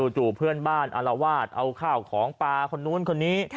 จู่เพื่อนบ้านอารวาสเอาข้าวของปลาคนนู้นคนนี้